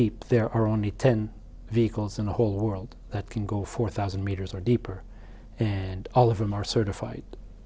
peserta di industri di konferensi mengetahui